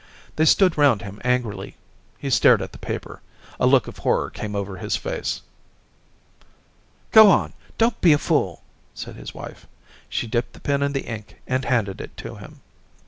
They stood round him angrily. He stared at the paper ; a look of horror came over his face. 'Go on! don't be a fool!' said his wife. She dipped the pen in the ink and handed it to him.